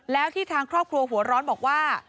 แล้วที่ทางครอบครัวหัวร้อนบอกว่า